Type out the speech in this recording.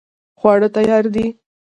خواړه تیار دي